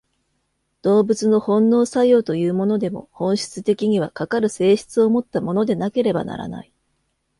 動物の本能作用というものでも、本質的には、かかる性質をもったものでなければならない。